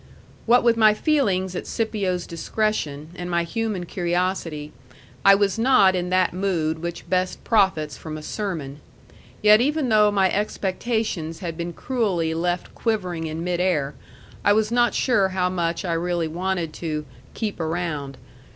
What with my feelings at Scipio's discretion, and my human curiosity, I was not in that mood which best profits from a sermon. Yet even though my expectations had been cruelly left quivering in mid air, I was not sure how much I really wanted to "keep around."